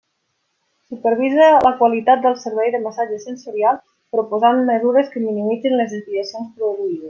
Supervisa la qualitat del servei de massatge sensorial proposant mesures que minimitzin les desviacions produïdes.